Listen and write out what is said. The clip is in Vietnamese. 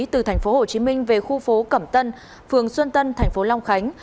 từ tp hcm về khu phố cẩm tân phường xuân tân tp long khánh